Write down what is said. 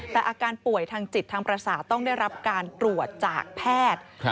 แต่อาการป่วยทางจิตทางประสาทต้องได้รับการตรวจจากแพทย์